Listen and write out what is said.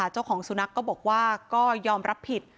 เจ้าของสุนัขก็บอกว่าก็ยอมรับผิด